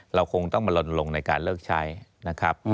เราคงต้องมาลนลงในการเลิกใช้นะครับ